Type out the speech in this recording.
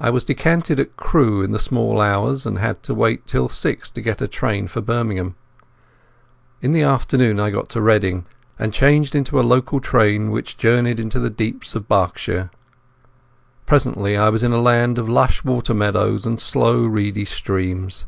I was decanted at Crewe in the small hours and had to wait till six to get a train for Birmingham. In the afternoon I got to Reading, and changed into a local train which journeyed into the deeps of Berkshire. Presently I was in a land of lush water meadows and slow reedy streams.